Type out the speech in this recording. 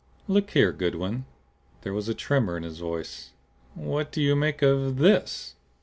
"Look here, Goodwin!" There was a tremor in his voice. "What do you make of THIS?"